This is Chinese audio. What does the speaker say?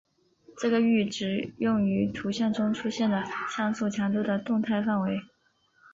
这个阈值用于图像中出现的像素强度的动态范围。